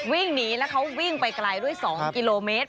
วิ่งหนีแล้วเขาวิ่งไปไกลด้วย๒กิโลเมตร